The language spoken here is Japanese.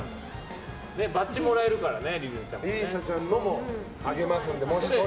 バッジもらえるからね。